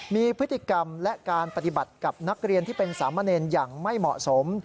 มีพฤติกรรมและการปฏิบัติกับนักเรียนที่เป็นสามเณรอย่างไม่เหมาะสม